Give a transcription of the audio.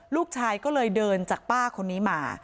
ลูกชายก็เลยเดินจากป้าคนนี้มา